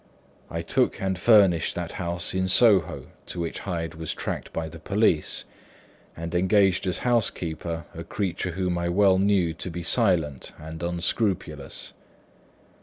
I took and furnished that house in Soho, to which Hyde was tracked by the police; and engaged as a housekeeper a creature whom I knew well to be silent and unscrupulous.